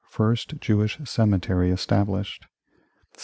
First Jewish cemetery established 1731.